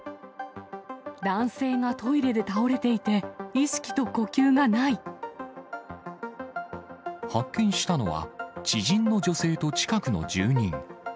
男性がトイレで倒れていて、発見したのは、知人の女性と近くの住人。